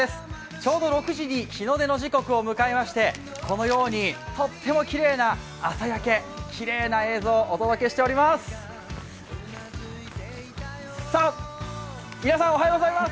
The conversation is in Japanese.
ちょうど６時に日の出の時刻を迎えまして、このようにとってもきれいな朝焼け、きれいな映像をお送りしております。